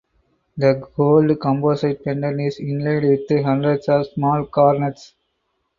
The gold composite pendant is inlaid with hundreds of small garnets.